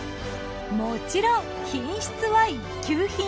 もちろん品質は一級品。